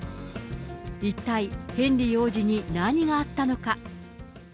一体、ヘンリー王子に何があったのか。